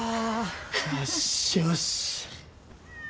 よしよし。